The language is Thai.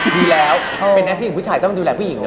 ดีแล้วเป็นหน้าที่ของผู้ชายต้องดูแลผู้หญิง